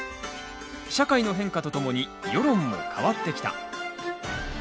社会の変化とともに世論も変わってきた。